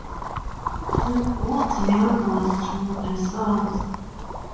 The goods yard was to the south.